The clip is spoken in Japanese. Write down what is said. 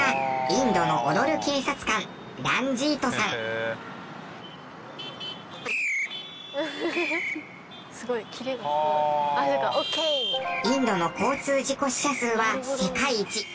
インドの交通事故死者数は世界一。